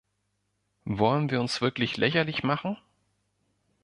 Wollen wir uns wirklich lächerlich machen?